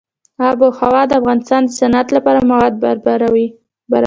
آب وهوا د افغانستان د صنعت لپاره مواد برابروي.